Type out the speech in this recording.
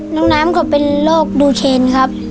น้องน้ำก็เป็นโรคดูเคนครับ